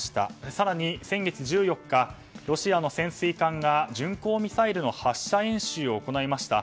更に先月１４日ロシアの潜水艦が巡航ミサイルの発射演習を行いました。